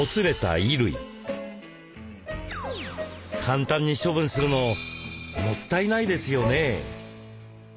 簡単に処分するのもったいないですよね。